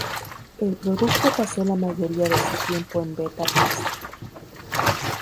El producto pasó la mayoría de su tiempo en "beta testing".